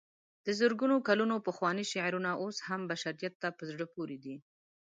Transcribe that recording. د زرګونو کلونو پخواني شعرونه اوس هم بشریت ته په زړه پورې دي.